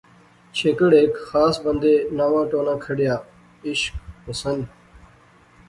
چھیکڑ ہیک خاص بندے ناواں ٹونا کھڈیا، عشق، حسن